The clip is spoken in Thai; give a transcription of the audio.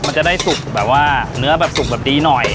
มันจะได้สุกแบบว่าเนื้อแบบสุกแบบดีหน่อย